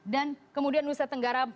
dan kemudian nusa tenggara